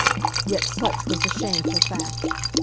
Yet such was the shameful fact.